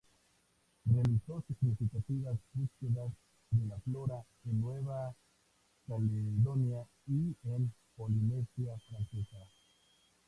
Realizó significativas búsquedas de flora en Nueva Caledonia y en Polinesia Francesa.